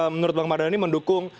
menurut bang mardhani mendukung